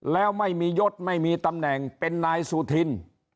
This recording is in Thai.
แล้วไม่มียศไม่มีตำแหน่งเป็นนายสุธิน